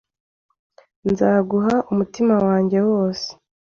Nzaguha umutima wanjye wose